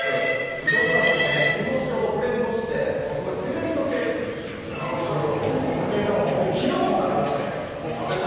いろんな煮干しをブレンドしてセメント系っていうんですけどこれがうまい、昨日も食べてます。